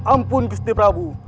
ampun gusti prabu